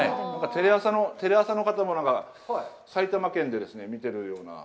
テレ朝の方もなんか、埼玉県で見ているような。